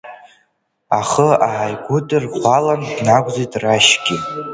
Ахы ааигәыдирӷәӷәалан днагәӡит Рашьгьы.